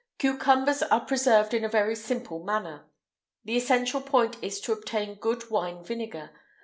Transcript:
"Cucumbers are preserved in a very simple manner. The essential point is to obtain good wine vinegar.